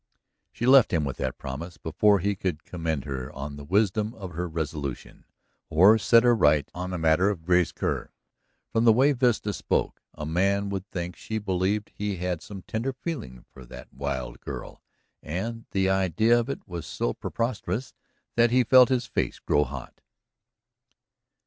She left him with that promise, before he could commend her on the wisdom of her resolution, or set her right on the matter of Grace Kerr. From the way Vesta spoke, a man would think she believed he had some tender feeling for that wild girl, and the idea of it was so preposterous that he felt his face grow hot.